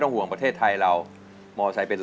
ถ้าแบบได้อีกสัก๒หมื่น